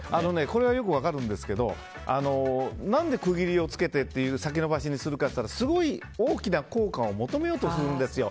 これはよく分かるんですけど何で区切りをつけてって先延ばしにするかって言ったらすごい大きな効果を求めようとするんですよ。